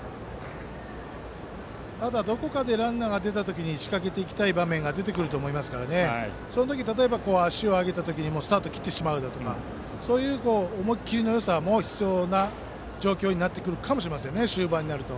ただ、どこかでランナーが出た時仕掛けていきたい場面が出てくると思いますからその時に、例えば足を上げた時にスタートを切ってしまうとかそういう思い切りのよさも必要かもしれません、終盤だと。